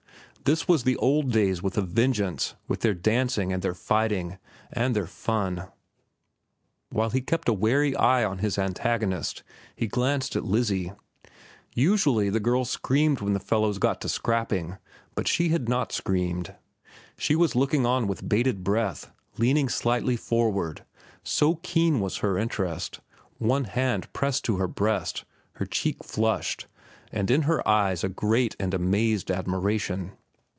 This was the old days with a vengeance, with their dancing, and their fighting, and their fun. While he kept a wary eye on his antagonist, he glanced at Lizzie. Usually the girls screamed when the fellows got to scrapping, but she had not screamed. She was looking on with bated breath, leaning slightly forward, so keen was her interest, one hand pressed to her breast, her cheek flushed, and in her eyes a great and amazed admiration.